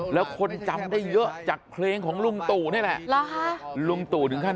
แล้วคนจำได้เยอะจากเครงของลุงตู่นี่แหละ